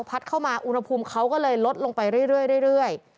เข้ามาอุณหภูมิเขาก็เลยลดลงไปเรื่อย